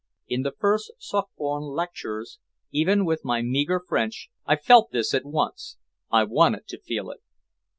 In the first Sorbonne lectures, even with my meager French, I felt this at once, I wanted to feel it.